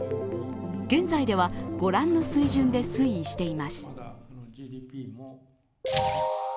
現在では御覧の水準で推移しています。